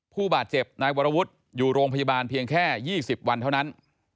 ผู้บาดเจ็บนายวรวุฒิอยู่โรงพยาบาลเพียงแค่๒๐วันเท่านั้น